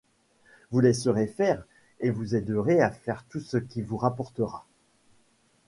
Vous laisserez faire et vous aiderez à faire tout ce qui vous rapportera.